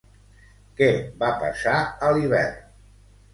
Què va passar a l'hivern?